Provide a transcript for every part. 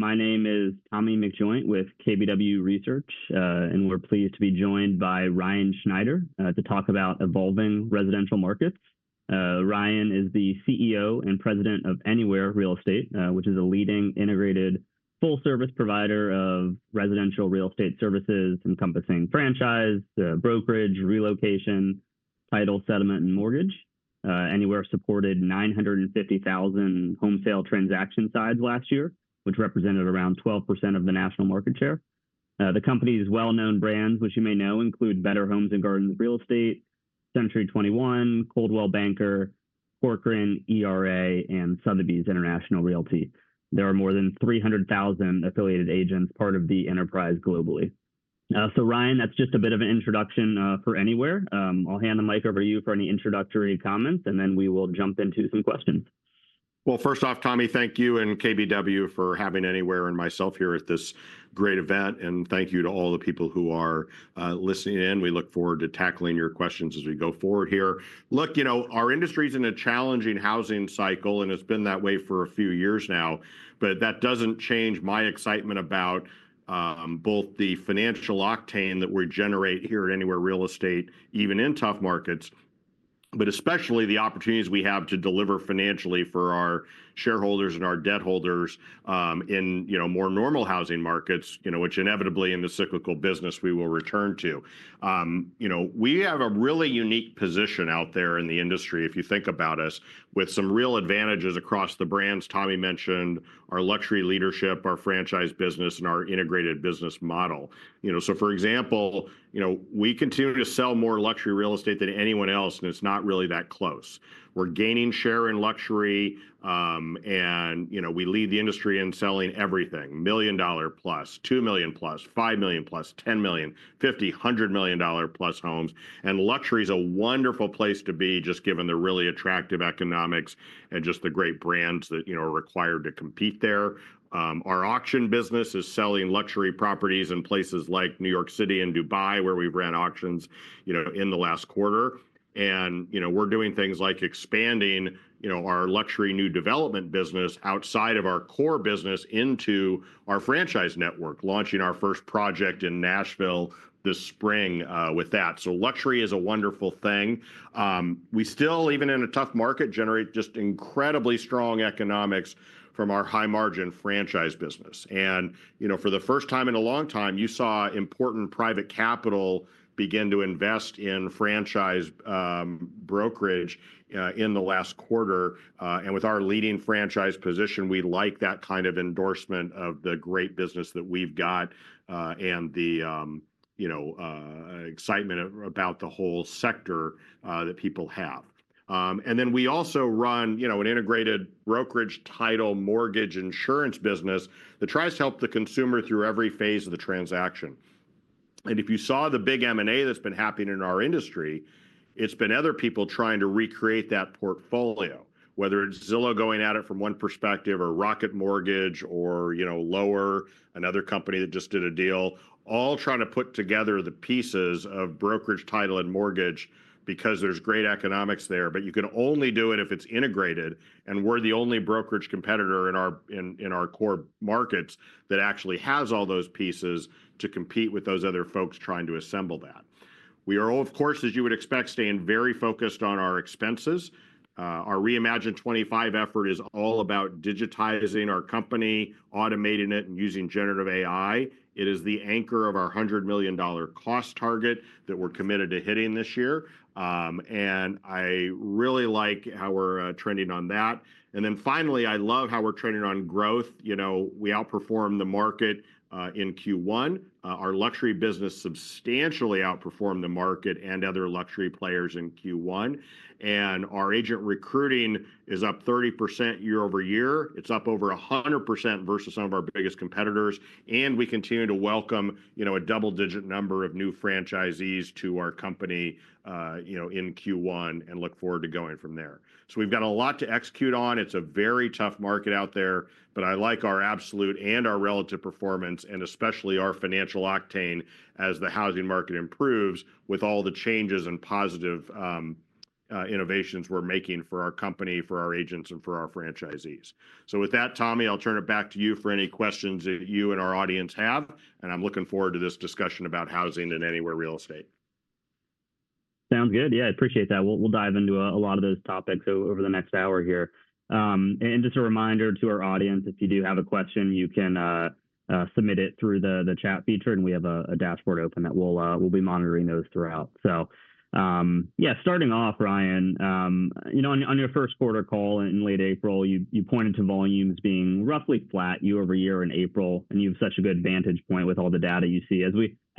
My name is Tommy McJoynt with KBW Research, and we're pleased to be joined by Ryan Schneider to talk about evolving residential markets. Ryan is the CEO and President of Anywhere Real Estate, which is a leading integrated full-service provider of residential real estate services encompassing franchise, brokerage, relocation, title, settlement, and mortgage. Anywhere supported 950,000 home sale transaction sides last year, which represented around 12% of the national market share. The company's well-known brands, which you may know, include Better Homes and Gardens Real Estate, Century 21, Coldwell Banker, Corcoran, ERA, and Sotheby's International Realty. There are more than 300,000 affiliated agents part of the enterprise globally. So, Ryan, that's just a bit of an introduction for Anywhere. I'll hand the mic over to you for any introductory comments, and then we will jump into some questions. First off, Tommy, thank you and KBW for having Anywhere and myself here at this great event, and thank you to all the people who are listening in. We look forward to tackling your questions as we go forward here. Look, you know, our industry's in a challenging housing cycle, and it's been that way for a few years now, but that doesn't change my excitement about both the financial octane that we generate here at Anywhere Real Estate, even in tough markets, but especially the opportunities we have to deliver financially for our shareholders and our debt holders in, you know, more normal housing markets, you know, which inevitably in the cyclical business we will return to. You know, we have a really unique position out there in the industry, if you think about us, with some real advantages across the brands Tommy mentioned, our luxury leadership, our franchise business, and our integrated business model. You know, for example, you know, we continue to sell more luxury real estate than anyone else, and it's not really that close. We're gaining share in luxury, and, you know, we lead the industry in selling everything: $1 million+, $2 million+, $5 million+, $10 million, $50 million, $100 million+ homes. And luxury's a wonderful place to be, just given the really attractive economics and just the great brands that, you know, are required to compete there. Our auction business is selling luxury properties in places like N.Y. City and Dubai, where we've ran auctions, you know, in the last quarter. You know, we're doing things like expanding, you know, our luxury new development business outside of our core business into our franchise network, launching our first project in Nashville this spring with that. Luxury is a wonderful thing. We still, even in a tough market, generate just incredibly strong economics from our high-margin franchise business. You know, for the first time in a long time, you saw important private capital begin to invest in franchise brokerage in the last quarter. With our leading franchise position, we like that kind of endorsement of the great business that we've got and the, you know, excitement about the whole sector that people have. We also run, you know, an integrated brokerage title mortgage insurance business that tries to help the consumer through every phase of the transaction. If you saw the big M&A that's been happening in our industry, it's been other people trying to recreate that portfolio, whether it's Zillow going at it from one perspective or Rocket Mortgage or, you know, Lower, another company that just did a deal, all trying to put together the pieces of brokerage, title, and mortgage because there's great economics there. You can only do it if it's integrated, and we're the only brokerage competitor in our core markets that actually has all those pieces to compete with those other folks trying to assemble that. We are, of course, as you would expect, staying very focused on our expenses. Our Reimagine 25 effort is all about digitizing our company, automating it, and using generative AI. It is the anchor of our $100 million cost target that we're committed to hitting this year. I really like how we're trending on that. Finally, I love how we're trending on growth. You know, we outperformed the market in Q1. Our luxury business substantially outperformed the market and other luxury players in Q1. Our agent recruiting is up 30% year-over-year. It's up over 100% versus some of our biggest competitors. We continue to welcome, you know, a double-digit number of new franchisees to our company, you know, in Q1 and look forward to going from there. We've got a lot to execute on. It's a very tough market out there, but I like our absolute and our relative performance, and especially our financial octane as the housing market improves with all the changes and positive innovations we're making for our company, for our agents, and for our franchisees. With that, Tommy, I'll turn it back to you for any questions that you and our audience have. I'm looking forward to this discussion about housing and Anywhere Real Estate. Sounds good. Yeah, I appreciate that. We'll dive into a lot of those topics over the next hour here. Just a reminder to our audience, if you do have a question, you can submit it through the chat feature, and we have a dashboard open that we'll be monitoring those throughout. Yeah, starting off, Ryan, you know, on your first quarter call in late April, you pointed to volumes being roughly flat year-over-year in April, and you have such a good vantage point with all the data you see.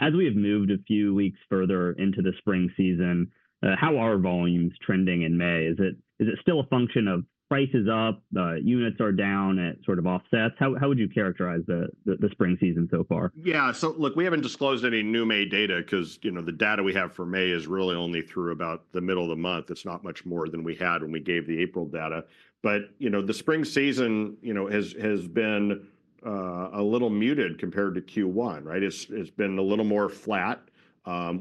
As we have moved a few weeks further into the spring season, how are volumes trending in May? Is it still a function of prices up, units are down, it sort of offsets? How would you characterize the spring season so far? Yeah, so look, we haven't disclosed any new May data because, you know, the data we have for May is really only through about the middle of the month. It's not much more than we had when we gave the April data. You know, the spring season, you know, has been a little muted compared to Q1, right? It's been a little more flat.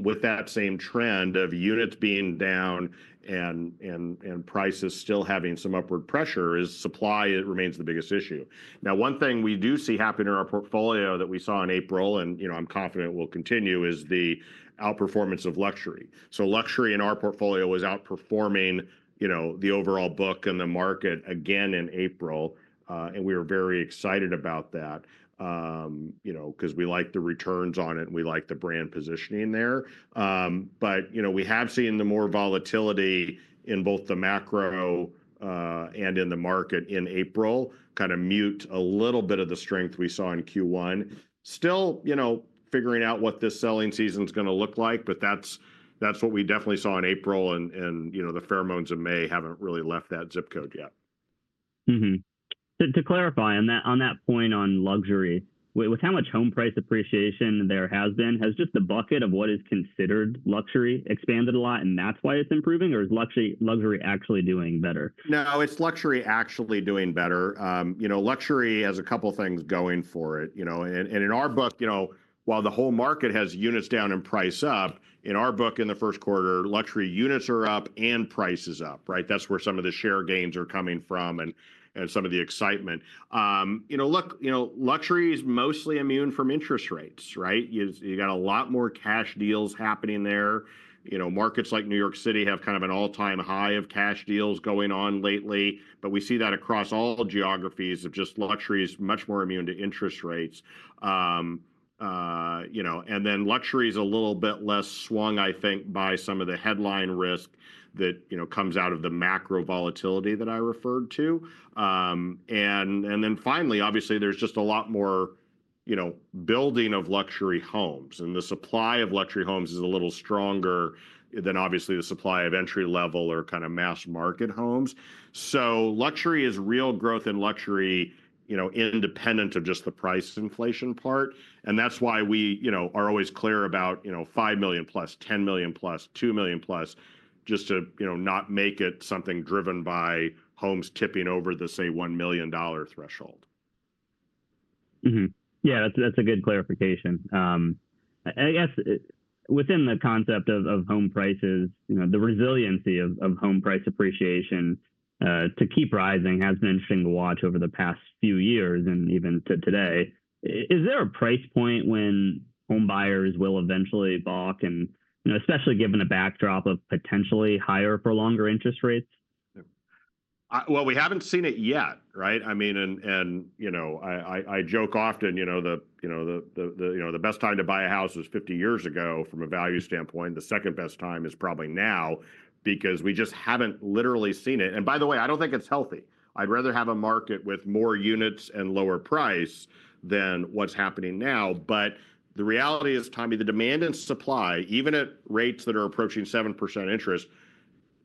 With that same trend of units being down and prices still having some upward pressure, supply remains the biggest issue. Now, one thing we do see happen in our portfolio that we saw in April, and, you know, I'm confident it will continue, is the outperformance of luxury. Luxury in our portfolio was outperforming, you know, the overall book and the market again in April, and we are very excited about that, you know, because we like the returns on it and we like the brand positioning there. You know, we have seen the more volatility in both the macro and in the market in April kind of mute a little bit of the strength we saw in Q1. Still, you know, figuring out what this selling season's going to look like, but that's what we definitely saw in April, and, you know, the pheromones of May haven't really left that zip code yet. To clarify on that point on luxury, with how much home price appreciation there has been, has just the bucket of what is considered luxury expanded a lot, and that's why it's improving, or is luxury actually doing better? No, it's luxury actually doing better. You know, luxury has a couple of things going for it, you know, and in our book, you know, while the whole market has units down and price up, in our book, in the first quarter, luxury units are up and prices up, right? That's where some of the share gains are coming from and some of the excitement. You know, look, you know, luxury is mostly immune from interest rates, right? You got a lot more cash deals happening there. You know, markets like N.Y. City have kind of an all-time high of cash deals going on lately, but we see that across all geographies of just luxury is much more immune to interest rates. You know, and then luxury is a little bit less swung, I think, by some of the headline risk that, you know, comes out of the macro volatility that I referred to. Finally, obviously, there is just a lot more, you know, building of luxury homes, and the supply of luxury homes is a little stronger than, obviously, the supply of entry-level or kind of mass-market homes. Luxury is real growth in luxury, you know, independent of just the price inflation part. That is why we, you know, are always clear about, you know, $5 million plus, $10 million plus, $2 million plus, just to, you know, not make it something driven by homes tipping over the, say, $1 million threshold. Yeah, that's a good clarification. I guess within the concept of home prices, you know, the resiliency of home price appreciation to keep rising has been interesting to watch over the past few years and even to today. Is there a price point when home buyers will eventually balk, and, you know, especially given the backdrop of potentially higher for longer interest rates? We have not seen it yet, right? I mean, and, you know, I joke often, you know, the, you know, the best time to buy a house was 50 years ago from a value standpoint. The second best time is probably now because we just have not literally seen it. By the way, I do not think it is healthy. I would rather have a market with more units and lower price than what is happening now. The reality is, Tommy, the demand and supply, even at rates that are approaching 7% interest,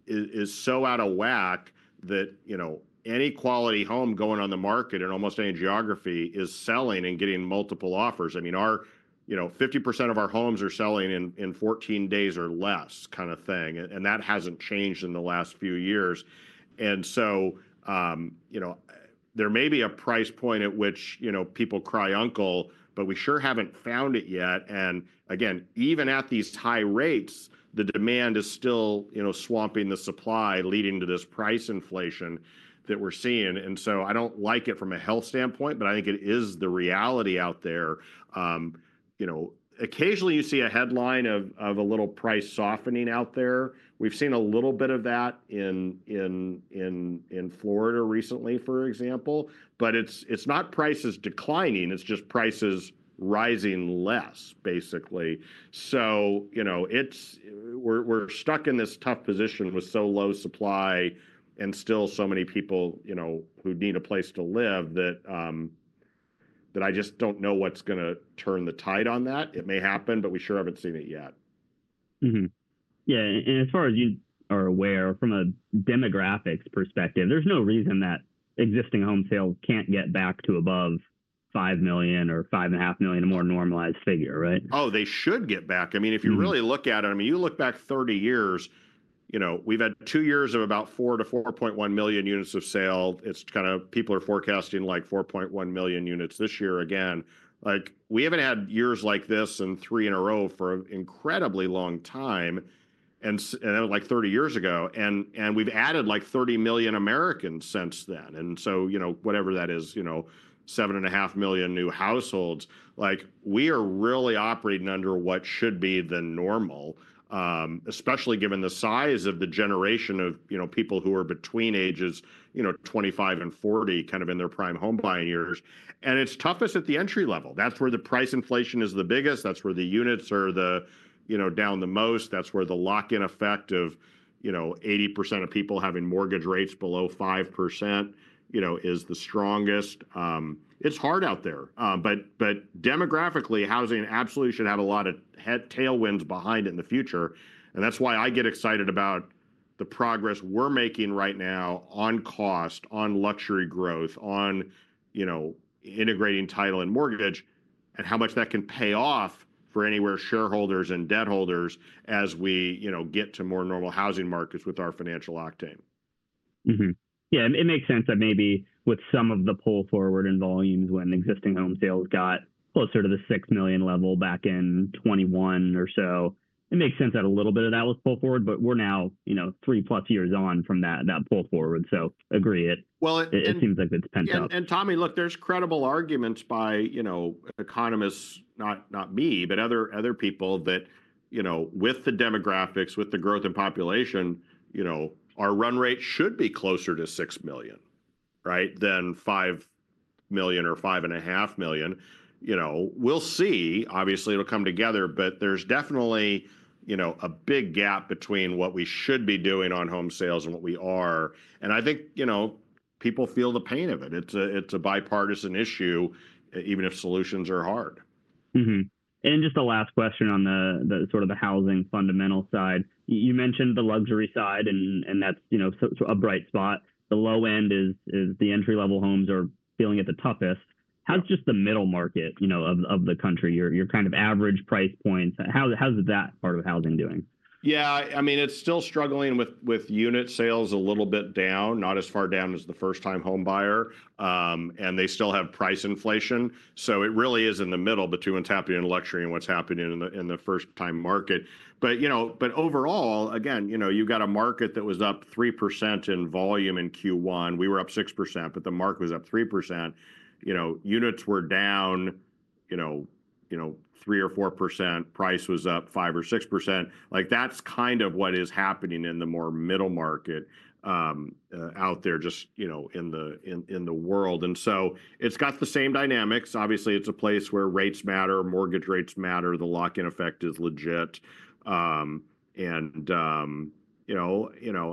is so out of whack that, you know, any quality home going on the market in almost any geography is selling and getting multiple offers. I mean, our, you know, 50% of our homes are selling in 14 days or less kind of thing, and that has not changed in the last few years. You know, there may be a price point at which, you know, people cry uncle, but we sure have not found it yet. Again, even at these high rates, the demand is still, you know, swamping the supply, leading to this price inflation that we are seeing. I do not like it from a health standpoint, but I think it is the reality out there. You know, occasionally you see a headline of a little price softening out there. We have seen a little bit of that in Florida recently, for example, but it is not prices declining, it is just prices rising less, basically. You know, we are stuck in this tough position with so low supply and still so many people, you know, who need a place to live that I just do not know what is going to turn the tide on that. It may happen, but we sure haven't seen it yet. Yeah, and as far as you are aware from a demographics perspective, there's no reason that existing home sales can't get back to above 5 million or 5.5 million or more normalized figure, right? Oh, they should get back. I mean, if you really look at it, I mean, you look back 30 years, you know, we've had two years of about 4-4.1 million units of sale. It's kind of people are forecasting like 4.1 million units this year again. Like, we haven't had years like this and three in a row for an incredibly long time, and like 30 years ago, and we've added like 30 million Americans since then. And so, you know, whatever that is, you know, 7.5 million new households, like we are really operating under what should be the normal, especially given the size of the generation of, you know, people who are between ages, you know, 25 and 40 kind of in their prime home buying years. And it's toughest at the entry level. That's where the price inflation is the biggest. That's where the units are, you know, down the most. That's where the lock-in effect of, you know, 80% of people having mortgage rates below 5% is the strongest. It's hard out there, but demographically, housing absolutely should have a lot of tailwinds behind it in the future. That's why I get excited about the progress we're making right now on cost, on luxury growth, on, you know, integrating title and mortgage, and how much that can pay off for Anywhere shareholders and debt holders as we, you know, get to more normal housing markets with our financial octane. Yeah, it makes sense that maybe with some of the pull forward in volumes when existing home sales got closer to the 6 million level back in 2021 or so, it makes sense that a little bit of that was pulled forward, but we're now, you know, three plus years on from that pull forward. So agree it. It seems like it's pent up. Tommy, look, there's credible arguments by, you know, economists, not me, but other people that, you know, with the demographics, with the growth in population, you know, our run rate should be closer to 6 million, right, than 5 million or 5.5 million. You know, we'll see. Obviously, it'll come together, but there's definitely, you know, a big gap between what we should be doing on home sales and what we are. I think, you know, people feel the pain of it. It's a bipartisan issue, even if solutions are hard. Just the last question on the sort of the housing fundamental side. You mentioned the luxury side, and that's, you know, a bright spot. The low end is the entry-level homes are feeling it the toughest. How's just the middle market, you know, of the country, your kind of average price points? How's that part of housing doing? Yeah, I mean, it's still struggling with unit sales a little bit down, not as far down as the first-time home buyer, and they still have price inflation. It really is in the middle between what's happening in luxury and what's happening in the first-time market. But, you know, overall, again, you know, you've got a market that was up 3% in volume in Q1. We were up 6%, but the market was up 3%. Units were down 3 or 4%. Price was up 5 or 6%. Like, that's kind of what is happening in the more middle market out there, just, you know, in the world. It's got the same dynamics. Obviously, it's a place where rates matter, mortgage rates matter, the lock-in effect is legit. You know,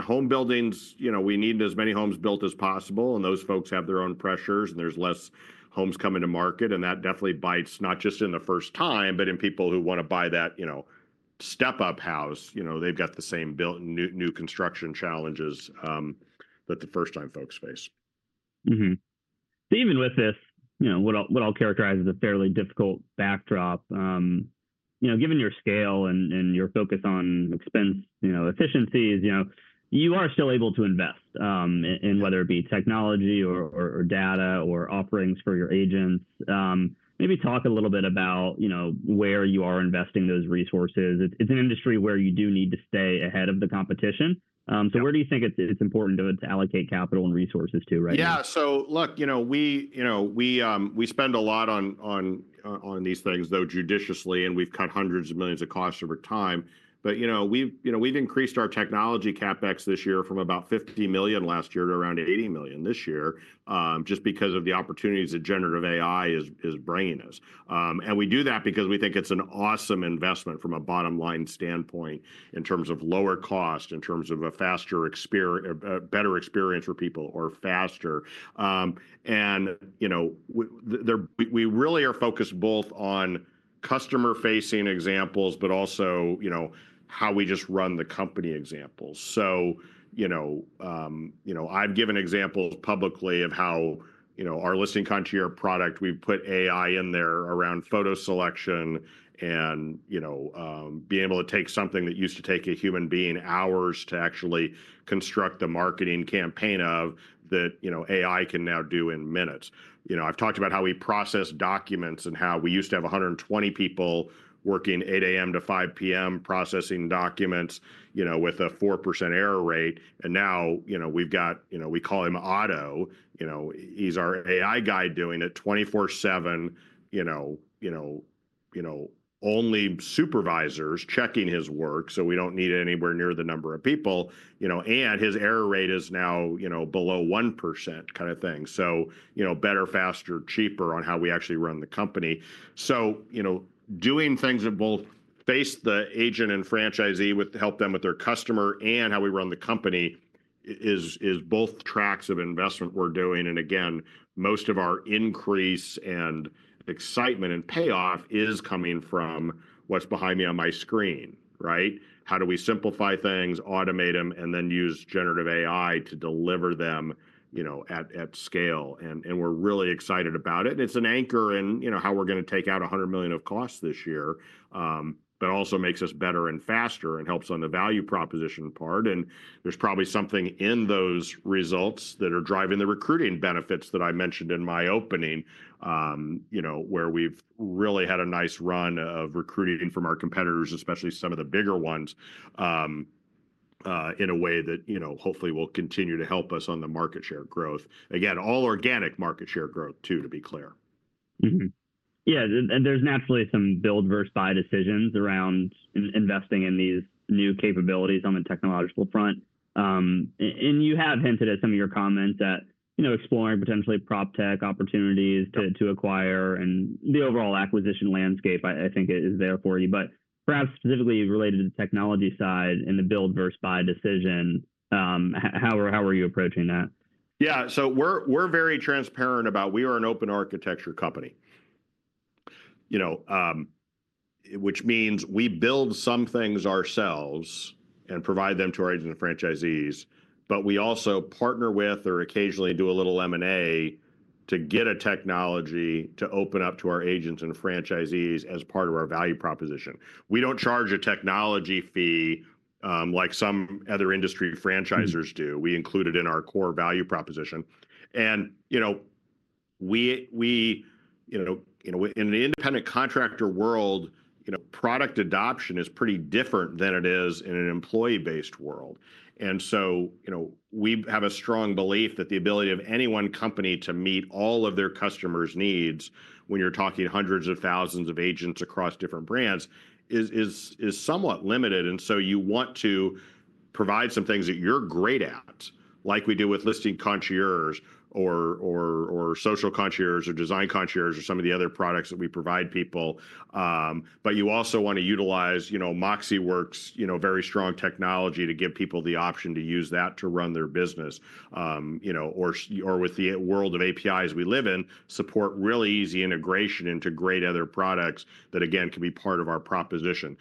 home buildings, you know, we need as many homes built as possible, and those folks have their own pressures, and there's less homes coming to market, and that definitely bites not just in the first time, but in people who want to buy that, you know, step-up house. You know, they've got the same built new construction challenges that the first-time folks face. Even with this, you know, what I'll characterize as a fairly difficult backdrop, you know, given your scale and your focus on expense, you know, efficiencies, you are still able to invest, and whether it be technology or data or offerings for your agents. Maybe talk a little bit about, you know, where you are investing those resources. It's an industry where you do need to stay ahead of the competition. Where do you think it's important to allocate capital and resources to, Ryan? Yeah, so look, you know, we spend a lot on these things, though judiciously, and we've cut hundreds of millions of costs over time. You know, we've increased our technology CapEx this year from about $50 million last year to around $80 million this year, just because of the opportunities that generative AI is bringing us. We do that because we think it's an awesome investment from a bottom-line standpoint in terms of lower cost, in terms of a faster experience, better experience for people, or faster. You know, we really are focused both on customer-facing examples, but also, you know, how we just run the company examples. You know, I've given examples publicly of how, you know, our Listing Concierge product, we've put AI in there around photo selection and, you know, being able to take something that used to take a human being hours to actually construct the marketing campaign of that, you know, AI can now do in minutes. You know, I've talked about how we process documents and how we used to have 120 people working 8:00 A.M. to 5:00 P.M. processing documents, you know, with a 4% error rate. And now, you know, we've got, you know, we call him Auto. You know, he's our AI guy doing it 24/7, you know, only supervisors checking his work, so we don't need anywhere near the number of people, you know, and his error rate is now, you know, below 1% kind of thing. You know, better, faster, cheaper on how we actually run the company. You know, doing things that both face the agent and franchisee with help them with their customer and how we run the company is both tracks of investment we're doing. Again, most of our increase and excitement and payoff is coming from what's behind me on my screen, right? How do we simplify things, automate them, and then use generative AI to deliver them, you know, at scale? We're really excited about it. It's an anchor in, you know, how we're going to take out $100 million of costs this year, but also makes us better and faster and helps on the value proposition part. There is probably something in those results that are driving the recruiting benefits that I mentioned in my opening, you know, where we have really had a nice run of recruiting from our competitors, especially some of the bigger ones, in a way that, you know, hopefully will continue to help us on the market share growth. Again, all organic market share growth too, to be clear. Yeah, and there's naturally some build versus buy decisions around investing in these new capabilities on the technological front. You have hinted at some of your comments that, you know, exploring potentially prop tech opportunities to acquire and the overall acquisition landscape, I think it is there for you. Perhaps specifically related to the technology side and the build versus buy decision, how are you approaching that? Yeah, so we're very transparent about we are an open architecture company, you know, which means we build some things ourselves and provide them to our agents and franchisees, but we also partner with or occasionally do a little M&A to get a technology to open up to our agents and franchisees as part of our value proposition. We don't charge a technology fee like some other industry franchisors do. We include it in our core value proposition. You know, in the independent contractor world, you know, product adoption is pretty different than it is in an employee-based world. You know, we have a strong belief that the ability of any one company to meet all of their customers' needs when you're talking hundreds of thousands of agents across different brands is somewhat limited. You want to provide some things that you're great at, like we do with Listing Concierge or Social Concierge or Design Concierge or some of the other products that we provide people. You also want to utilize, you know, MoxiWorks, you know, very strong technology to give people the option to use that to run their business, you know, or with the world of APIs we live in, support really easy integration into great other products that, again, can be part of our proposition.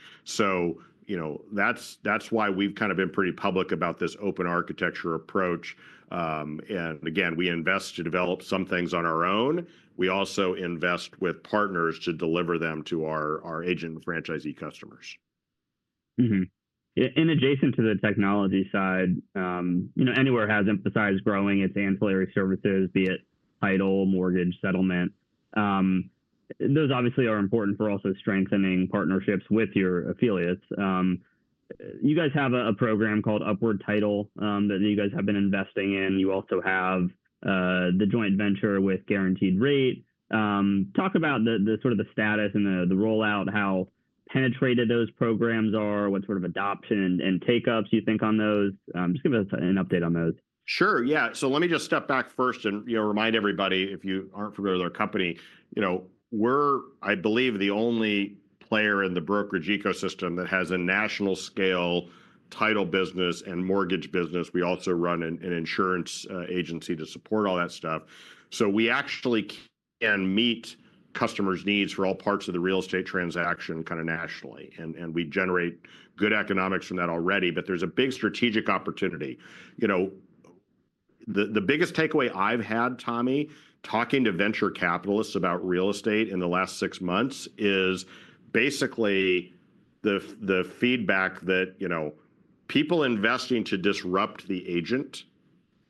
That's why we've kind of been pretty public about this open architecture approach. Again, we invest to develop some things on our own. We also invest with partners to deliver them to our agent and franchisee customers. Adjacent to the technology side, you know, Anywhere has emphasized growing its ancillary services, be it title, mortgage, settlement. Those obviously are important for also strengthening partnerships with your affiliates. You guys have a program called Upward Title that you guys have been investing in. You also have the joint venture with Guaranteed Rate. Talk about the sort of the status and the rollout, how penetrated those programs are, what sort of adoption and take-ups you think on those. Just give us an update on those. Sure, yeah. Let me just step back first and, you know, remind everybody, if you aren't familiar with our company, you know, we're, I believe, the only player in the brokerage ecosystem that has a national scale title business and mortgage business. We also run an insurance agency to support all that stuff. We actually can meet customers' needs for all parts of the real estate transaction kind of nationally. We generate good economics from that already, but there's a big strategic opportunity. You know, the biggest takeaway I've had, Tommy, talking to venture capitalists about real estate in the last six months is basically the feedback that, you know, people investing to disrupt the agent,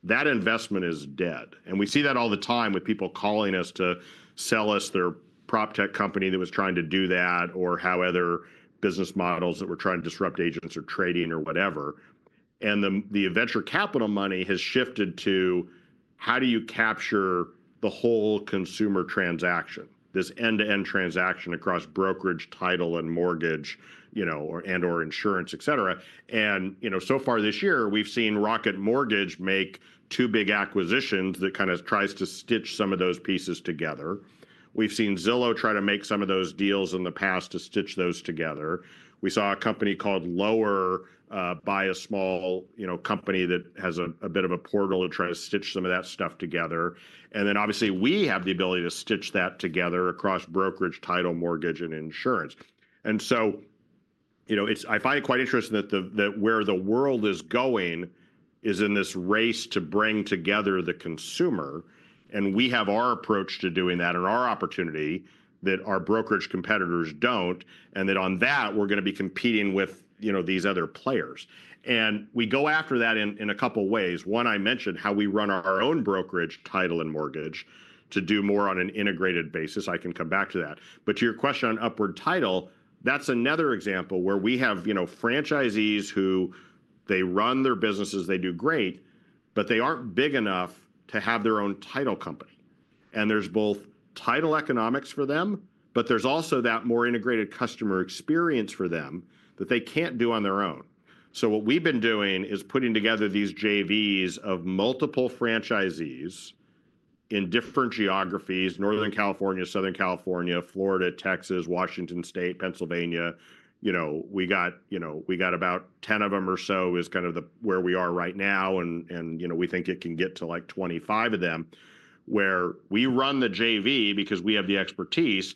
that investment is dead. We see that all the time with people calling us to sell us their prop tech company that was trying to do that or how other business models that were trying to disrupt agents or trading or whatever. The venture capital money has shifted to how do you capture the whole consumer transaction, this end-to-end transaction across brokerage, title, and mortgage, you know, and/or insurance, et cetera. You know, so far this year, we've seen Rocket Mortgage make two big acquisitions that kind of tries to stitch some of those pieces together. We've seen Zillow try to make some of those deals in the past to stitch those together. We saw a company called Lower buy a small, you know, company that has a bit of a portal to try to stitch some of that stuff together. Obviously we have the ability to stitch that together across brokerage, title, mortgage, and insurance. You know, I find it quite interesting that where the world is going is in this race to bring together the consumer. We have our approach to doing that and our opportunity that our brokerage competitors do not, and on that, we are going to be competing with, you know, these other players. We go after that in a couple of ways. One, I mentioned how we run our own brokerage, title, and mortgage to do more on an integrated basis. I can come back to that. To your question on Upward Title, that is another example where we have, you know, franchisees who run their businesses, they do great, but they are not big enough to have their own title company. There is both title economics for them, but there is also that more integrated customer experience for them that they cannot do on their own. What we have been doing is putting together these JVs of multiple franchisees in different geographies: Northern California, Southern California, Florida, Texas, Washington State, Pennsylvania. You know, we got about 10 of them or so is kind of where we are right now. You know, we think it can get to like 25 of them where we run the JV because we have the expertise.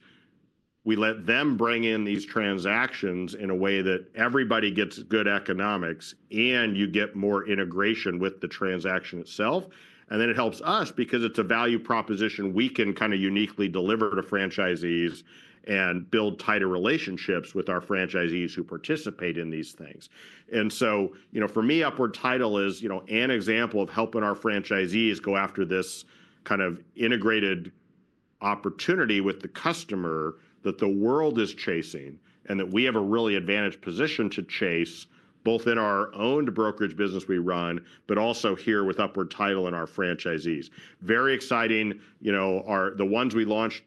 We let them bring in these transactions in a way that everybody gets good economics and you get more integration with the transaction itself. It helps us because it is a value proposition we can kind of uniquely deliver to franchisees and build tighter relationships with our franchisees who participate in these things. For me, Upward Title is an example of helping our franchisees go after this kind of integrated opportunity with the customer that the world is chasing and that we have a really advantaged position to chase both in our own brokerage business we run, but also here with Upward Title and our franchisees. Very exciting, the ones we launched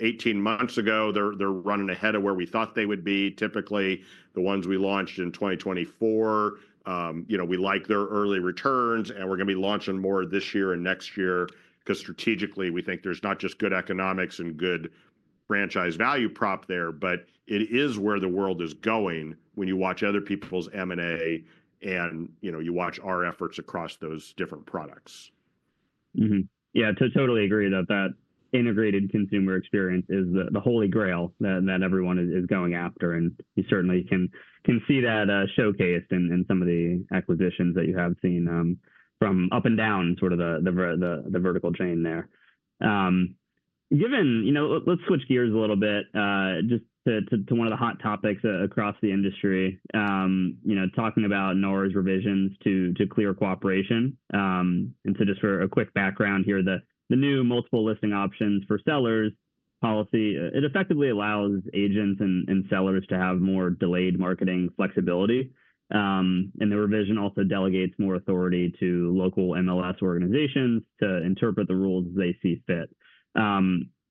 18 months ago, they're running ahead of where we thought they would be. Typically, the ones we launched in 2024, you know, we like their early returns and we're going to be launching more this year and next year because strategically we think there's not just good economics and good franchise value prop there, but it is where the world is going when you watch other people's M&A and, you know, you watch our efforts across those different products. Yeah, totally agree that that integrated consumer experience is the holy grail that everyone is going after. You certainly can see that showcased in some of the acquisitions that you have seen from up and down sort of the vertical chain there. Given, you know, let's switch gears a little bit just to one of the hot topics across the industry, you know, talking about NAR's revisions to Clear Cooperation. Just for a quick background here, the new multiple listing options for sellers policy, it effectively allows agents and sellers to have more delayed marketing flexibility. The revision also delegates more authority to local MLS organizations to interpret the rules as they see fit.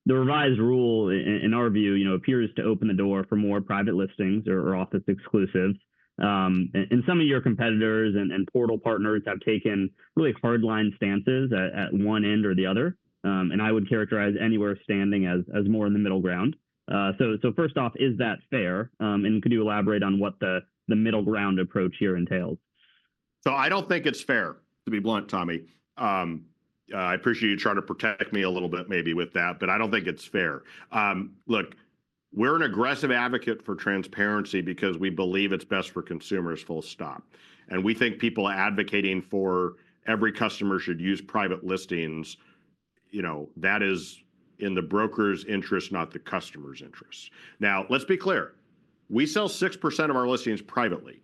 The revised rule, in our view, you know, appears to open the door for more private listings or office exclusives. Some of your competitors and portal partners have taken really hard-line stances at one end or the other. I would characterize Anywhere standing as more in the middle ground. First off, is that fair? Could you elaborate on what the middle ground approach here entails? I don't think it's fair, to be blunt, Tommy. I appreciate you trying to protect me a little bit maybe with that, but I don't think it's fair. Look, we're an aggressive advocate for transparency because we believe it's best for consumers, full stop. We think people advocating for every customer should use private listings, you know, that is in the broker's interest, not the customer's interest. Now, let's be clear. We sell 6% of our listings privately,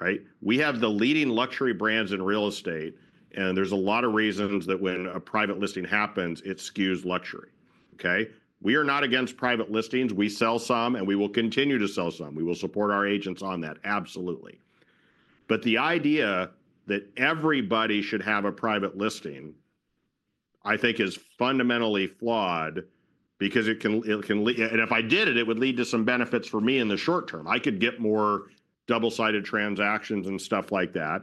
right? We have the leading luxury brands in real estate. There's a lot of reasons that when a private listing happens, it skews luxury, okay? We are not against private listings. We sell some and we will continue to sell some. We will support our agents on that, absolutely. The idea that everybody should have a private listing, I think is fundamentally flawed because it can, and if I did it, it would lead to some benefits for me in the short term. I could get more double-sided transactions and stuff like that.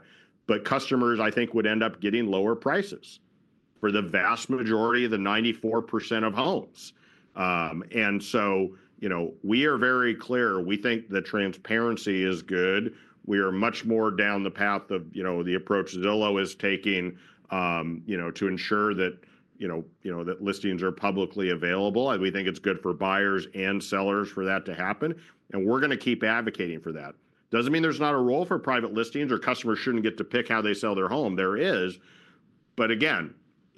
Customers, I think, would end up getting lower prices for the vast majority, the 94% of homes. You know, we are very clear. We think that transparency is good. We are much more down the path of, you know, the approach Zillow is taking, you know, to ensure that, you know, that listings are publicly available. We think it's good for buyers and sellers for that to happen. We are going to keep advocating for that. It does not mean there is not a role for private listings or customers should not get to pick how they sell their home. There is. It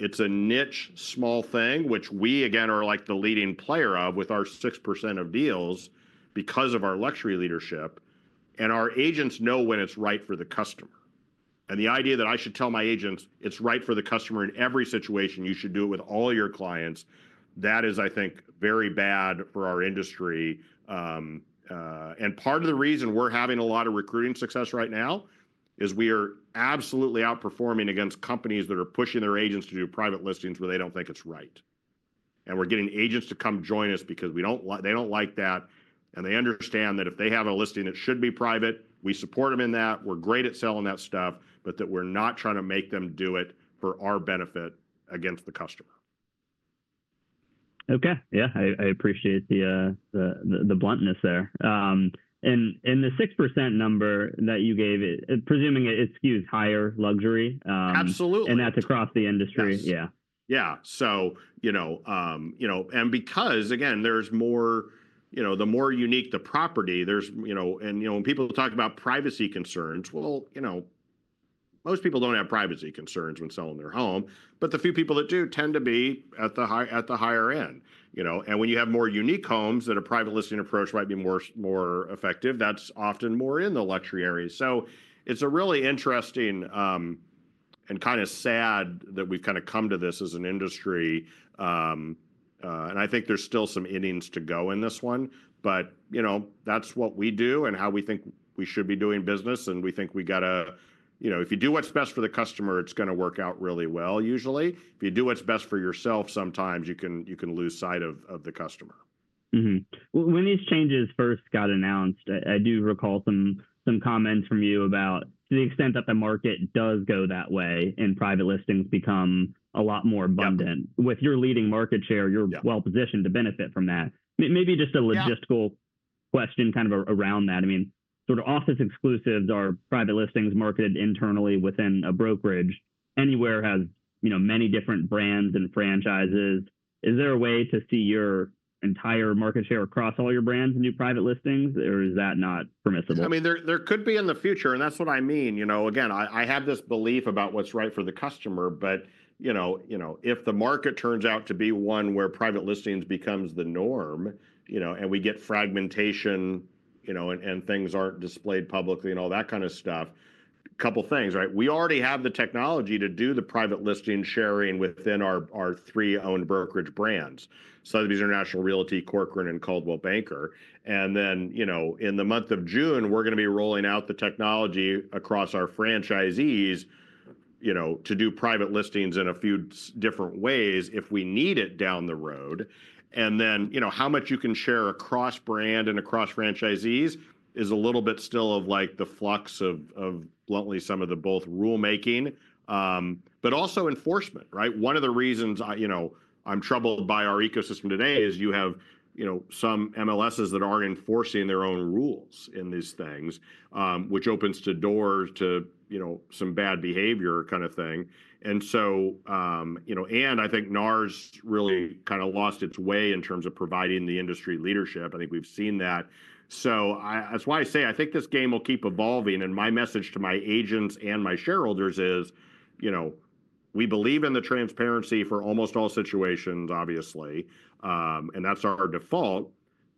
is a niche, small thing, which we, again, are like the leading player of with our 6% of deals because of our luxury leadership. Our agents know when it is right for the customer. The idea that I should tell my agents it is right for the customer in every situation, you should do it with all your clients, that is, I think, very bad for our industry. Part of the reason we are having a lot of recruiting success right now is we are absolutely outperforming against companies that are pushing their agents to do private listings where they do not think it is right. We are getting agents to come join us because they do not like that. They understand that if they have a listing, it should be private. We support them in that. We're great at selling that stuff, but that we're not trying to make them do it for our benefit against the customer. Okay, yeah, I appreciate the bluntness there. The 6% number that you gave, presuming it skews higher luxury. Absolutely. That's across the industry, yeah. Yeah, so, you know, and because, again, there's more, you know, the more unique the property, there's, you know, and, you know, when people talk about privacy concerns, well, you know, most people don't have privacy concerns when selling their home, but the few people that do tend to be at the higher end, you know. When you have more unique homes that a private listing approach might be more effective, that's often more in the luxury areas. It is a really interesting and kind of sad that we've kind of come to this as an industry. I think there's still some innings to go in this one, but, you know, that's what we do and how we think we should be doing business. We think we got to, you know, if you do what's best for the customer, it's going to work out really well usually. If you do what's best for yourself, sometimes you can lose sight of the customer. When these changes first got announced, I do recall some comments from you about the extent that the market does go that way and private listings become a lot more abundant. With your leading market share, you're well positioned to benefit from that. Maybe just a logistical question kind of around that. I mean, sort of office exclusives are private listings marketed internally within a brokerage. Anywhere has, you know, many different brands and franchises. Is there a way to see your entire market share across all your brands and do private listings? Or is that not permissible? I mean, there could be in the future, and that's what I mean. You know, again, I have this belief about what's right for the customer, but, you know, if the market turns out to be one where private listings becomes the norm, you know, and we get fragmentation, you know, and things aren't displayed publicly and all that kind of stuff, a couple of things, right? We already have the technology to do the private listing sharing within our three owned brokerage brands: Sotheby's International Realty, Corcoran, and Coldwell Banker. And then, you know, in the month of June, we're going to be rolling out the technology across our franchisees, you know, to do private listings in a few different ways if we need it down the road. You know, how much you can share across brand and across franchisees is a little bit still of like the flux of, bluntly, some of the both rulemaking, but also enforcement, right? One of the reasons, you know, I'm troubled by our ecosystem today is you have, you know, some MLSs that aren't enforcing their own rules in these things, which opens the door to, you know, some bad behavior kind of thing. You know, and I think NAR's really kind of lost its way in terms of providing the industry leadership. I think we've seen that. That's why I say I think this game will keep evolving. My message to my agents and my shareholders is, you know, we believe in the transparency for almost all situations, obviously, and that's our default.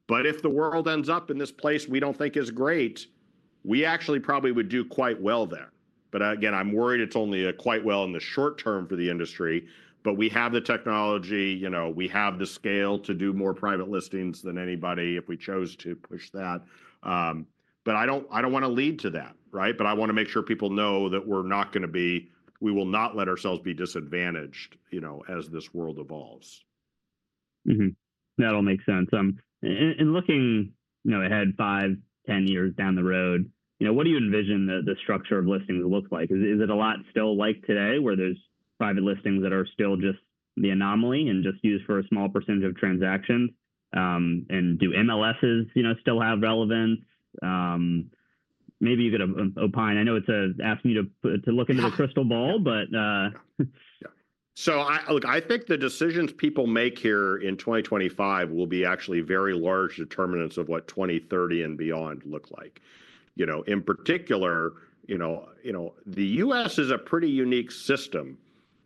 If the world ends up in this place we do not think is great, we actually probably would do quite well there. I am worried it is only quite well in the short term for the industry, but we have the technology, you know, we have the scale to do more private listings than anybody if we chose to push that. I do not want to lead to that, right? I want to make sure people know that we are not going to be, we will not let ourselves be disadvantaged, you know, as this world evolves. That all makes sense. Looking, you know, ahead, five, 10 years down the road, you know, what do you envision the structure of listings look like? Is it a lot still like today where there's private listings that are still just the anomaly and just used for a small percentage of transactions? Do MLSs, you know, still have relevance? Maybe you could opine. I know it's asking you to look into the crystal ball, but. Look, I think the decisions people make here in 2025 will be actually very large determinants of what 2030 and beyond look like. In particular, you know, the U.S. is a pretty unique system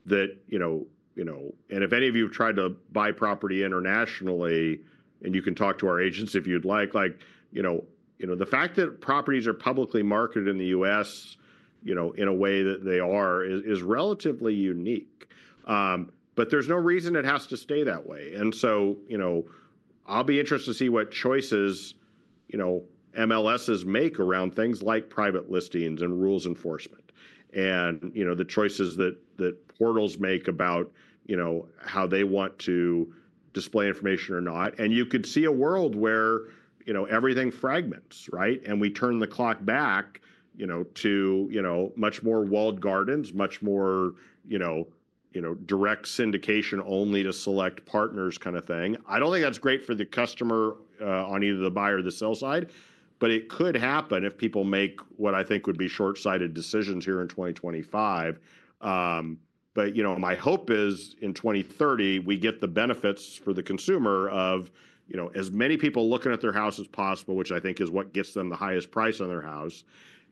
that, you know, if any of you tried to buy property internationally, and you can talk to our agents if you'd like, like, you know, the fact that properties are publicly marketed in the U.S. in a way that they are is relatively unique. There is no reason it has to stay that way. I'll be interested to see what choices MLSs make around things like private listings and rules enforcement. The choices that portals make about how they want to display information or not. You could see a world where, you know, everything fragments, right? We turn the clock back, you know, to, you know, much more walled gardens, much more, you know, you know, direct syndication only to select partners kind of thing. I do not think that is great for the customer on either the buyer or the sell side, but it could happen if people make what I think would be short-sighted decisions here in 2025. My hope is in 2030, we get the benefits for the consumer of, you know, as many people looking at their house as possible, which I think is what gets them the highest price on their house.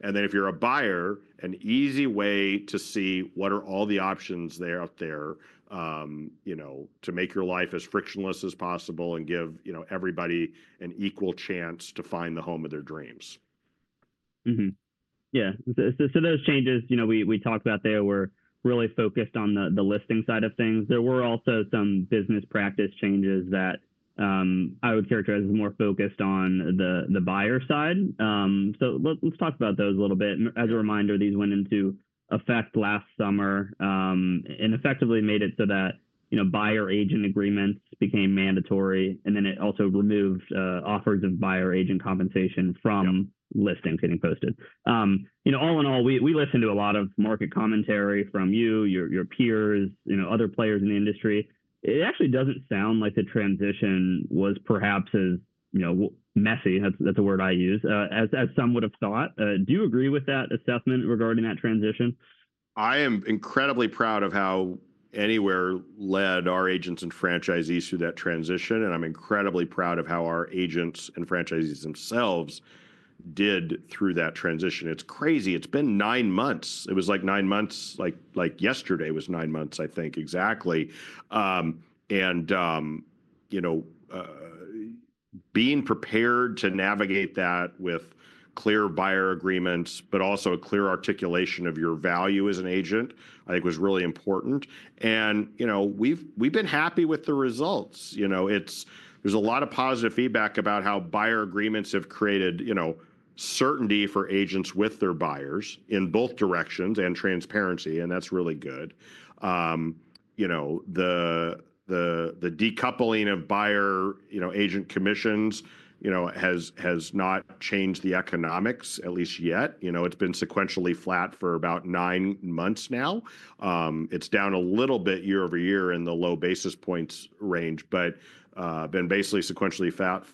If you're a buyer, an easy way to see what are all the options there out there, you know, to make your life as frictionless as possible and give, you know, everybody an equal chance to find the home of their dreams. Yeah. Those changes, you know, we talked about, were really focused on the listing side of things. There were also some business practice changes that I would characterize as more focused on the buyer side. Let's talk about those a little bit. As a reminder, these went into effect last summer and effectively made it so that, you know, buyer agent agreements became mandatory. It also removed offers of buyer agent compensation from listings getting posted. You know, all in all, we listened to a lot of market commentary from you, your peers, other players in the industry. It actually does not sound like the transition was perhaps as, you know, messy, that is a word I use, as some would have thought. Do you agree with that assessment regarding that transition? I am incredibly proud of how Anywhere led our agents and franchisees through that transition. I'm incredibly proud of how our agents and franchisees themselves did through that transition. It's crazy. It's been nine months. It was like nine months, like yesterday was nine months, I think exactly. You know, being prepared to navigate that with clear buyer agreements, but also a clear articulation of your value as an agent, I think was really important. You know, we've been happy with the results. You know, there's a lot of positive feedback about how buyer agreements have created certainty for agents with their buyers in both directions and transparency. That's really good. The decoupling of buyer agent commissions has not changed the economics, at least yet. It's been sequentially flat for about nine months now. It's down a little bit year-over-year in the low basis points range, but been basically sequentially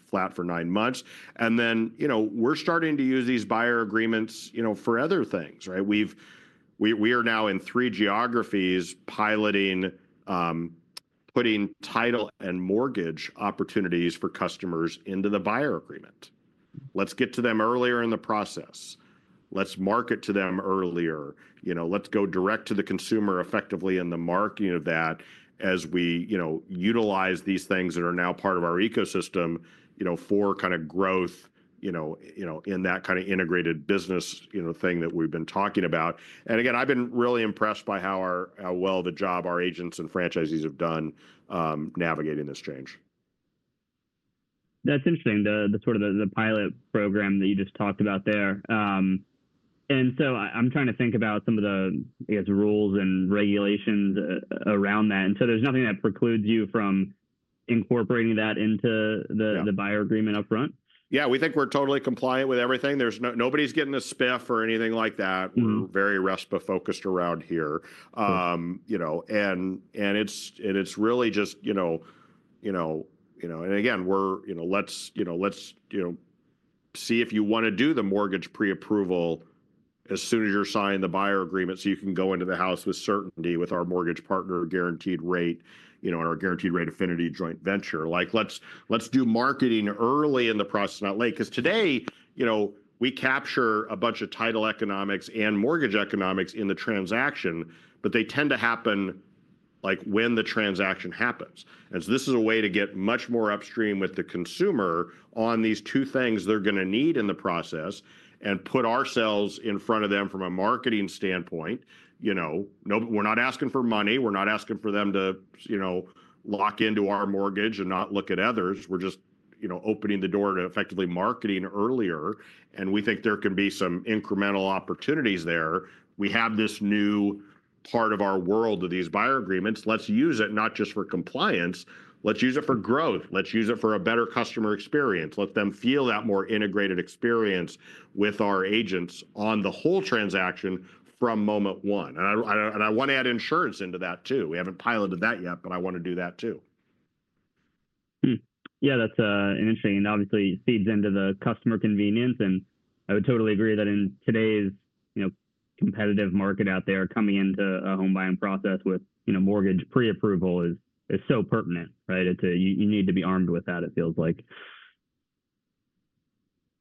flat for nine months. You know, we're starting to use these buyer agreements, you know, for other things, right? We are now in three geographies piloting, putting title and mortgage opportunities for customers into the buyer agreement. Let's get to them earlier in the process. Let's market to them earlier. You know, let's go direct to the consumer effectively in the marketing of that as we, you know, utilize these things that are now part of our ecosystem, you know, for kind of growth, you know, in that kind of integrated business, you know, thing that we've been talking about. I've been really impressed by how well the job our agents and franchisees have done navigating this change. That's interesting, the sort of the pilot program that you just talked about there. I'm trying to think about some of the, I guess, rules and regulations around that. There's nothing that precludes you from incorporating that into the buyer agreement upfront? Yeah, we think we're totally compliant with everything. There's nobody's getting a spiff or anything like that. We're very RESPA focused around here, you know, and it's really just, you know, and again, we're, you know, let's, you know, see if you want to do the mortgage pre-approval as soon as you're signing the buyer agreement so you can go into the house with certainty with our mortgage partner Guaranteed Rate, you know, and our Guaranteed Rate Affinity joint venture. Like let's do marketing early in the process, not late. Because today, you know, we capture a bunch of title economics and mortgage economics in the transaction, but they tend to happen like when the transaction happens. This is a way to get much more upstream with the consumer on these two things they're going to need in the process and put ourselves in front of them from a marketing standpoint. You know, we're not asking for money. We're not asking for them to, you know, lock into our mortgage and not look at others. We're just, you know, opening the door to effectively marketing earlier. We think there can be some incremental opportunities there. We have this new part of our world of these buyer agreements. Let's use it not just for compliance. Let's use it for growth. Let's use it for a better customer experience. Let them feel that more integrated experience with our agents on the whole transaction from moment one. I want to add insurance into that too. We haven't piloted that yet, but I want to do that too. Yeah, that's interesting. Obviously feeds into the customer convenience. I would totally agree that in today's, you know, competitive market out there, coming into a home buying process with, you know, mortgage pre-approval is so pertinent, right? You need to be armed with that, it feels like.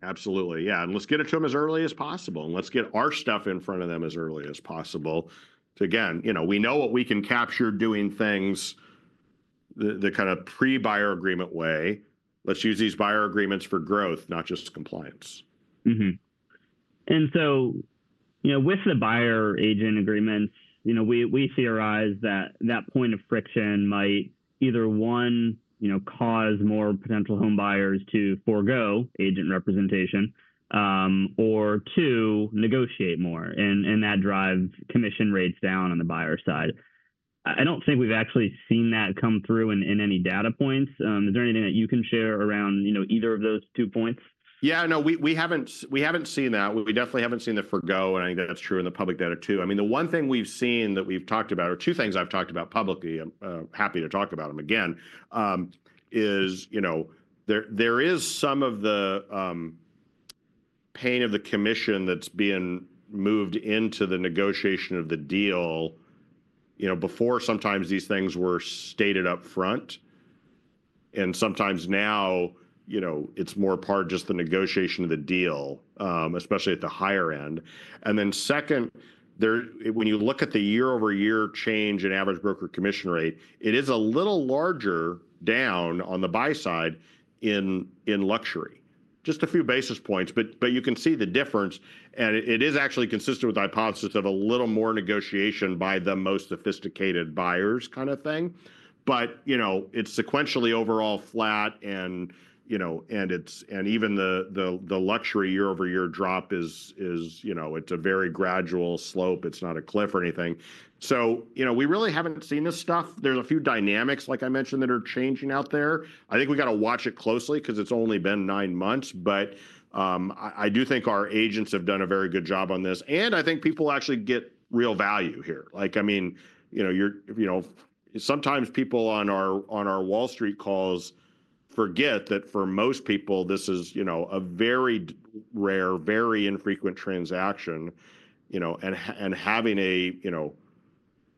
Absolutely. Yeah. Let's get it to them as early as possible. Let's get our stuff in front of them as early as possible. Again, you know, we know what we can capture doing things the kind of pre-buyer agreement way. Let's use these buyer agreements for growth, not just compliance. You know, with the buyer agent agreements, you know, we theorize that that point of friction might either, one, you know, cause more potential home buyers to forgo agent representation, or two, negotiate more. That drives commission rates down on the buyer side. I do not think we have actually seen that come through in any data points. Is there anything that you can share around, you know, either of those two points? Yeah, no, we haven't seen that. We definitely haven't seen the forgo. I think that's true in the public data too. I mean, the one thing we've seen that we've talked about, or two things I've talked about publicly, I'm happy to talk about them again, is, you know, there is some of the pain of the commission that's being moved into the negotiation of the deal, you know, before sometimes these things were stated upfront. Sometimes now, you know, it's more part of just the negotiation of the deal, especially at the higher end. Then second, when you look at the year-over-year change in average broker commission rate, it is a little larger down on the buy side in luxury. Just a few basis points, but you can see the difference. It is actually consistent with the hypothesis of a little more negotiation by the most sophisticated buyers kind of thing. You know, it's sequentially overall flat and, you know, even the luxury year-over-year drop is, you know, it's a very gradual slope. It's not a cliff or anything. You know, we really haven't seen this stuff. There are a few dynamics, like I mentioned, that are changing out there. I think we have to watch it closely because it's only been nine months. I do think our agents have done a very good job on this. I think people actually get real value here. Like, I mean, you know, sometimes people on our Wall Street calls forget that for most people, this is, you know, a very rare, very infrequent transaction, you know, and having a, you know,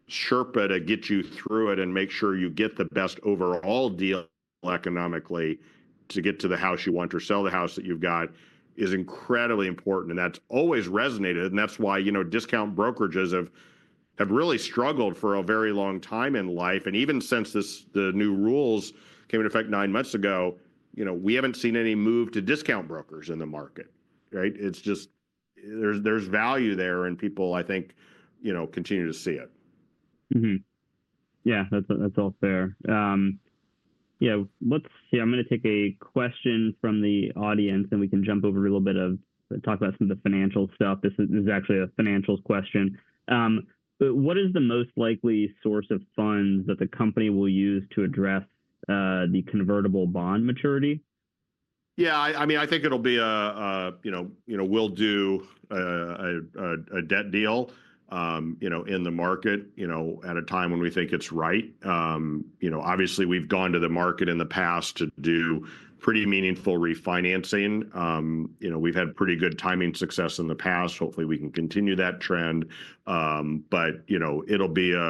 sherpa to get you through it and make sure you get the best overall deal economically to get to the house you want or sell the house that you've got is incredibly important. That has always resonated. That is why, you know, discount brokerages have really struggled for a very long time in life. Even since the new rules came into effect nine months ago, you know, we have not seen any move to discount brokers in the market, right? There is value there and people, I think, you know, continue to see it. Yeah, that's all fair. Yeah, let's see. I'm going to take a question from the audience and we can jump over a little bit of talk about some of the financial stuff. This is actually a financial question. What is the most likely source of funds that the company will use to address the convertible bond maturity? Yeah, I mean, I think it'll be a, you know, we'll do a debt deal, you know, in the market, you know, at a time when we think it's right. Obviously we've gone to the market in the past to do pretty meaningful refinancing. We've had pretty good timing success in the past. Hopefully we can continue that trend. It'll be a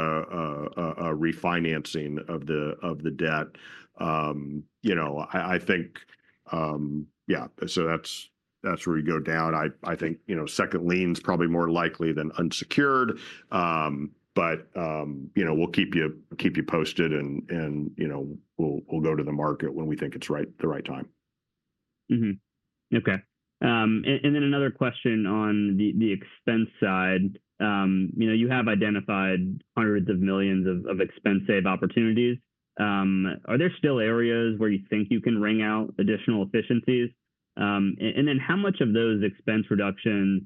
refinancing of the debt. I think, yeah, so that's where we go down. I think, you know, second lien is probably more likely than unsecured. We'll keep you posted and we'll go to the market when we think it's the right time. Okay. And then another question on the expense side. You know, you have identified hundreds of millions of expense save opportunities. Are there still areas where you think you can wring out additional efficiencies? And then how much of those expense reductions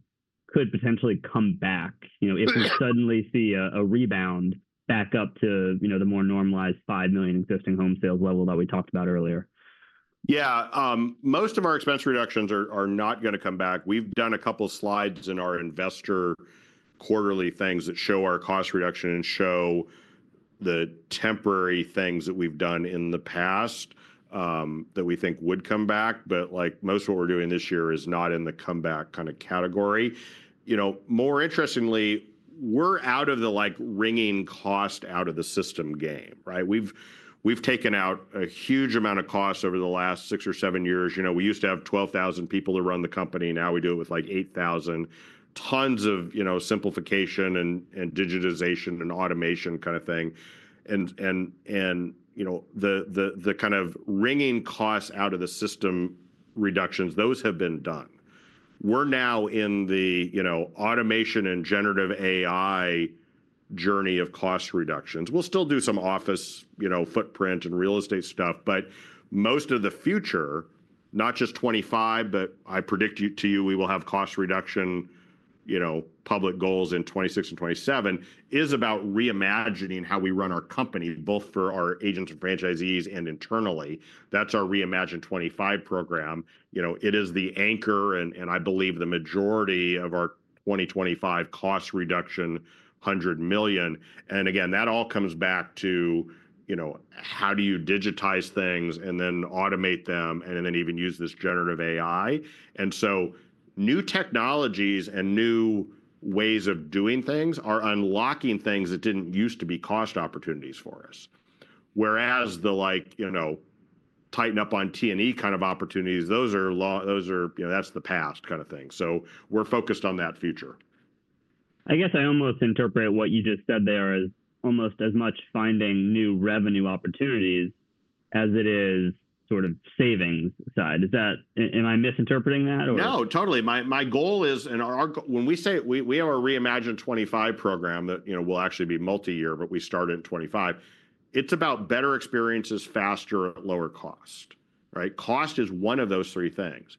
could potentially come back, you know, if we suddenly see a rebound back up to, you know, the more normalized 5 million existing home sales level that we talked about earlier? Yeah, most of our expense reductions are not going to come back. We've done a couple of slides in our investor quarterly things that show our cost reduction and show the temporary things that we've done in the past that we think would come back. Like most of what we're doing this year is not in the comeback kind of category. You know, more interestingly, we're out of the like wringing cost out of the system game, right? We've taken out a huge amount of costs over the last six or seven years. You know, we used to have 12,000 people to run the company. Now we do it with like 8,000 tons of, you know, simplification and digitization and automation kind of thing. You know, the kind of wringing costs out of the system reductions, those have been done. We're now in the, you know, automation and generative AI journey of cost reductions. We'll still do some office, you know, footprint and real estate stuff. Most of the future, not just 2025, but I predict to you we will have cost reduction, you know, public goals in 2026 and 2027 is about reimagining how we run our company, both for our agents and franchisees and internally. That's our Reimagine 25 program. You know, it is the anchor. I believe the majority of our 2025 cost reduction, $100 million. Again, that all comes back to, you know, how do you digitize things and then automate them and then even use this generative AI? New technologies and new ways of doing things are unlocking things that did not used to be cost opportunities for us. Whereas the like, you know, tighten up on T&E kind of opportunities, those are, you know, that's the past kind of thing. So we're focused on that future. I guess I almost interpret what you just said there as almost as much finding new revenue opportunities as it is sort of savings side. Is that, am I misinterpreting that? No, totally. My goal is, and when we say we have a Reimagine 25 program that, you know, will actually be multi-year, but we start in 2025. It is about better experiences faster at lower cost, right? Cost is one of those three things.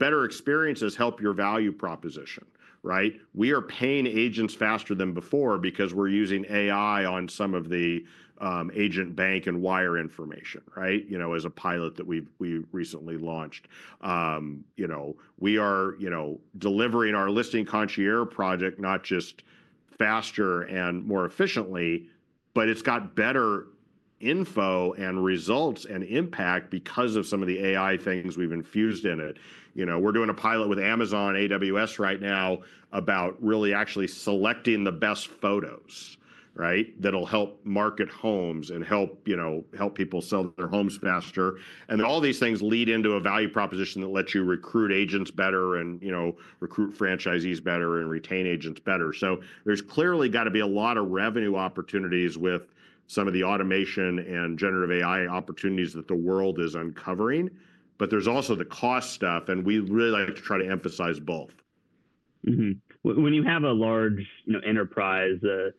Better experiences help your value proposition, right? We are paying agents faster than before because we are using AI on some of the agent bank and wire information, right? You know, as a pilot that we have recently launched. We are delivering our Listing Concierge project not just faster and more efficiently, but it has better info and results and impact because of some of the AI things we have infused in it. We are doing a pilot with Amazon AWS right now about really actually selecting the best photos, right? That'll help market homes and help, you know, help people sell their homes faster. All these things lead into a value proposition that lets you recruit agents better and, you know, recruit franchisees better and retain agents better. There is clearly got to be a lot of revenue opportunities with some of the automation and generative AI opportunities that the world is uncovering. There is also the cost stuff. We really like to try to emphasize both. When you have a large, you know, enterprise, the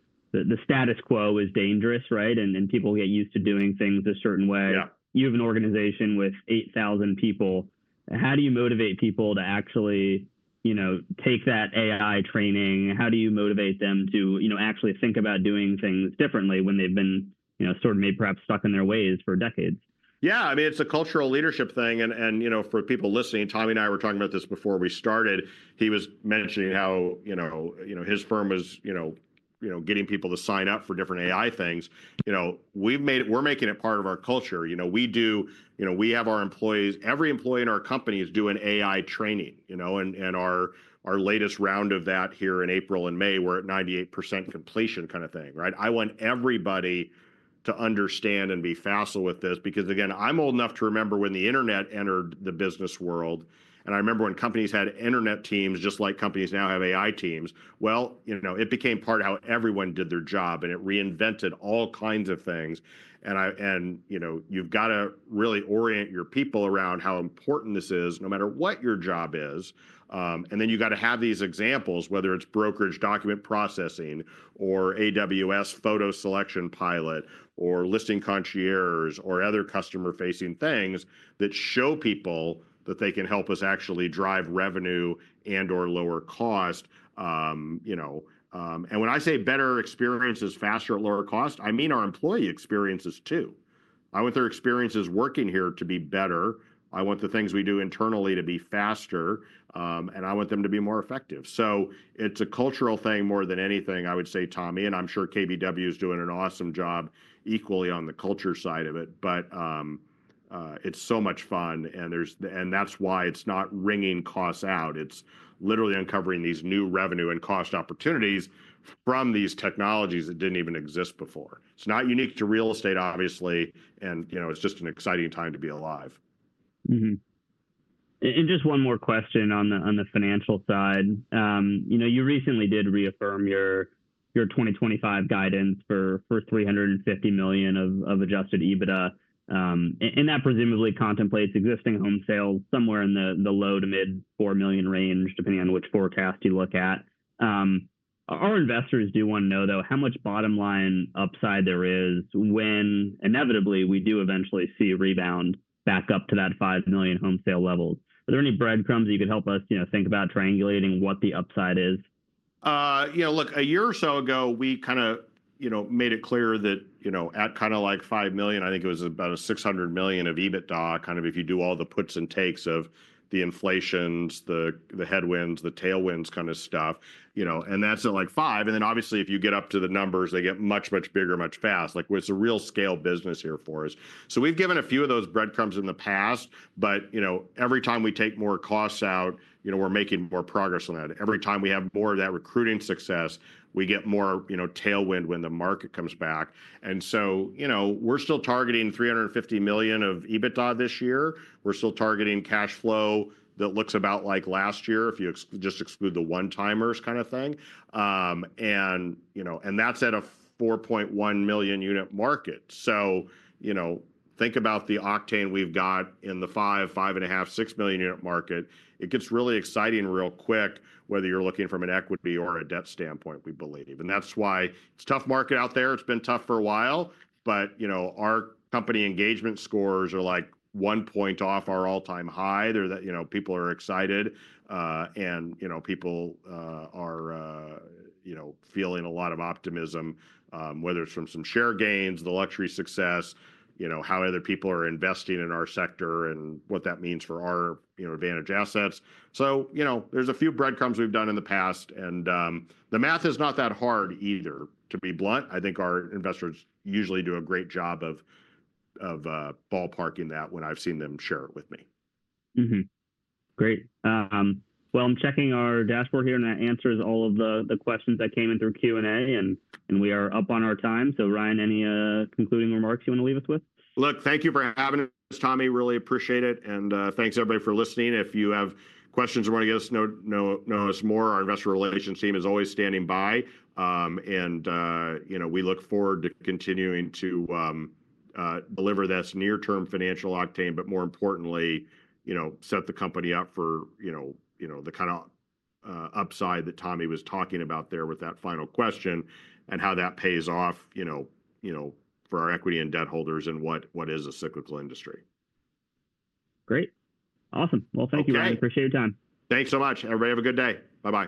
status quo is dangerous, right? And people get used to doing things a certain way. You have an organization with 8,000 people. How do you motivate people to actually, you know, take that AI training? How do you motivate them to, you know, actually think about doing things differently when they've been, you know, sort of maybe perhaps stuck in their ways for decades? Yeah, I mean, it's a cultural leadership thing. And, you know, for people listening, Tommy and I were talking about this before we started. He was mentioning how, you know, his firm was, you know, getting people to sign up for different AI things. You know, we've made, we're making it part of our culture. You know, we do, you know, we have our employees, every employee in our company is doing AI training, you know, and our latest round of that here in April and May, we're at 98% completion kind of thing, right? I want everybody to understand and be facile with this because again, I'm old enough to remember when the internet entered the business world. I remember when companies had internet teams just like companies now have AI teams. You know, it became part of how everyone did their job and it reinvented all kinds of things. I, and you know, you have got to really orient your people around how important this is no matter what your job is. You have got to have these examples, whether it is brokerage document processing or AWS photo selection pilot or Listing Concierge or other customer-facing things that show people that they can help us actually drive revenue and/or lower cost, you know. When I say better experiences faster at lower cost, I mean our employee experiences too. I want their experiences working here to be better. I want the things we do internally to be faster. I want them to be more effective. It is a cultural thing more than anything, I would say, Tommy. I'm sure KBW is doing an awesome job equally on the culture side of it. It is so much fun. That is why it's not wringing costs out. It's literally uncovering these new revenue and cost opportunities from these technologies that did not even exist before. It's not unique to real estate, obviously. You know, it's just an exciting time to be alive. Just one more question on the financial side. You know, you recently did reaffirm your 2025 guidance for $350 million of adjusted EBITDA. That presumably contemplates existing home sales somewhere in the low to mid 4 million range, depending on which forecast you look at. Our investors do want to know though, how much bottom line upside there is when inevitably we do eventually see a rebound back up to that 5 million home sale level. Are there any breadcrumbs you could help us, you know, think about triangulating what the upside is? You know, look, a year or so ago, we kind of, you know, made it clear that, you know, at kind of like $5 million, I think it was about $600 million of EBITDA, kind of if you do all the puts and takes of the inflations, the headwinds, the tailwinds kind of stuff, you know, and that's at like five. Obviously if you get up to the numbers, they get much, much bigger, much faster. Like it's a real scale business here for us. We have given a few of those breadcrumbs in the past, but, you know, every time we take more costs out, you know, we're making more progress on that. Every time we have more of that recruiting success, we get more, you know, tailwind when the market comes back. You know, we're still targeting $350 million of EBITDA this year. We're still targeting cash flow that looks about like last year if you just exclude the one-timers kind of thing. You know, and that's at a 4.1 million unit market. You know, think about the octane we've got in the 5, 5.5, 6 million unit market. It gets really exciting real quick, whether you're looking from an equity or a debt standpoint, we believe. That's why it's a tough market out there. It's been tough for a while. You know, our company engagement scores are like one point off our all-time high. They're that, you know, people are excited. You know, people are, you know, feeling a lot of optimism, whether it's from some share gains, the luxury success, you know, how other people are investing in our sector and what that means for our, you know, advantage assets. You know, there's a few breadcrumbs we've done in the past. The math is not that hard either, to be blunt. I think our investors usually do a great job of ballparking that when I've seen them share it with me. Great. I am checking our dashboard here and that answers all of the questions that came in through Q&A. We are up on our time. Ryan, any concluding remarks you want to leave us with? Look, thank you for having us, Tommy. Really appreciate it. Thanks everybody for listening. If you have questions or want to get to know us more, our investor relations team is always standing by. We look forward to continuing to deliver this near-term financial octane, but more importantly, set the company up for the kind of upside that Tommy was talking about there with that final question and how that pays off for our equity and debt holders in what is a cyclical industry. Great. Awesome. Thank you, Ryan. Appreciate your time. Thanks so much. Everybody have a good day. Bye-bye.